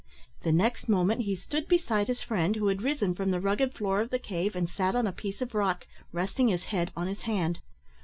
The next moment he stood beside his friend, who had risen from the rugged floor of the cave, and sat on a piece of rock, resting his head on his hand.